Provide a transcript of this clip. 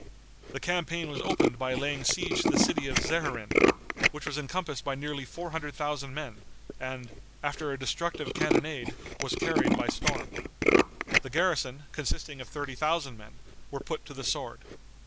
The campaign was opened by laying siege to the city Czeherin, which was encompassed by nearly four hundred thousand men, and, after a destructive cannonade, was carried by storm. The garrison, consisting of thirty thousand men, were put to the sword.